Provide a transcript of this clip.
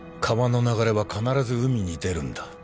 川の流れは必ず海に出るんだ